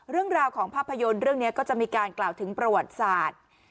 เรื่องราวของภาพยนตร์เรื่องนี้ก็จะมีการกล่าวถึงประวัติศาสตร์